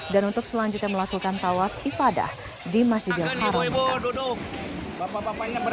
dan untuk selanjutnya melakukan tawaf ifadah di masjidil haram